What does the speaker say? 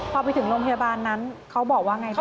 พอไปถึงโรงพยาบาลนั้นเขาบอกว่าไงคะ